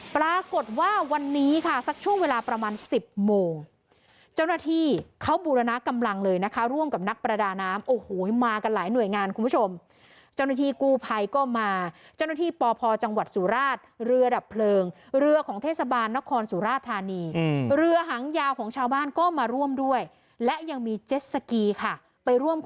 ปรากฏว่าวันนี้ค่ะสักช่วงเวลาประมาณสิบโมงเจ้าหน้าที่เขาบูรณะกำลังเลยนะคะร่วมกับนักประดาน้ำโอ้โหมากันหลายหน่วยงานคุณผู้ชมเจ้าหน้าที่กู้ภัยก็มาเจ้าหน้าที่ปพจังหวัดสุราชเรือดับเพลิงเรือของเทศบาลนครสุราธานีเรือหางยาวของชาวบ้านก็มาร่วมด้วยและยังมีเจ็ดสกีค่ะไปร่วมค